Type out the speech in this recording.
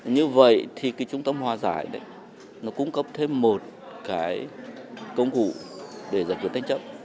như vậy thì trung tâm hòa giải cung cấp thêm một công cụ để giải quyết tranh chấp